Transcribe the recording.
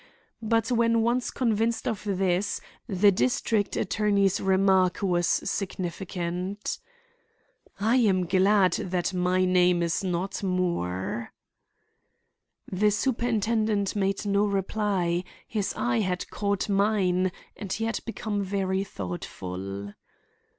But when once convinced of this, the district attorney's remark was significant. "I am glad that my name is not Moore." The superintendent made no reply; his eye had caught mine, and he had become very thoughtful.